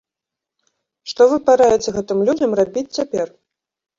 Што вы параіце гэтым людзям рабіць цяпер?